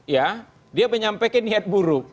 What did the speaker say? ya dia menyampaikan niat buruk